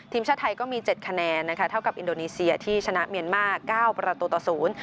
ทีมชาติไทยก็มี๗คะแนนนะคะเท่ากับอินโดนิเซียที่ชนะเมียนมาร์๙ประตูต่อ๐